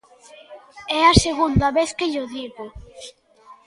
É a segunda vez que llo digo.